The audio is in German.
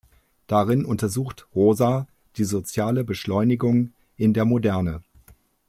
Darin untersucht Rosa die soziale Beschleunigung in der Moderne.